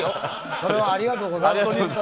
それはありがとうございます。